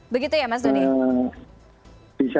begitu ya mas doni